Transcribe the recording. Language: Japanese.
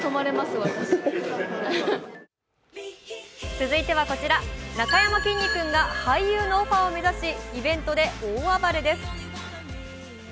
続いてはこちら、なかやまきんに君が俳優のオファーを目指しイベントで大暴れです。